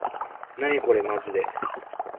なにこれまじで